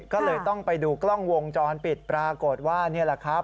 ก็เลยต้องไปดูกล้องวงจรปิดปรากฏว่านี่แหละครับ